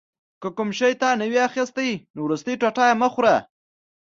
که کوم شی تا نه وي اخیستی نو وروستی ټوټه یې مه خوره.